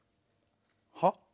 はっ？